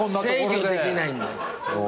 制御できないんだよ。